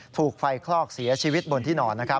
ถูกไฟคลอกเสียชีวิตบนที่นอน